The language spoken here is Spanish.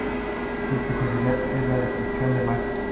Su especialidad es "la destrucción de magia".